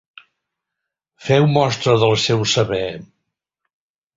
Feu mostra del seu saber.